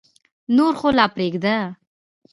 نور خو لا پرېږده.